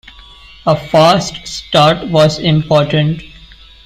A fast start was important.